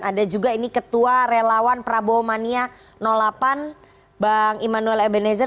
ada juga ini ketua relawan prabowo mania delapan bang immanuel ebenezer